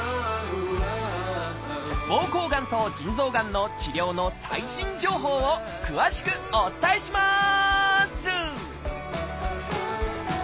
膀胱がんと腎臓がんの治療の最新情報を詳しくお伝えします！